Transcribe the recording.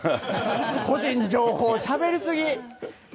個人情報しゃべり過ぎ。